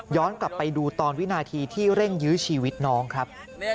กลับไปดูตอนวินาทีที่เร่งยื้อชีวิตน้องครับ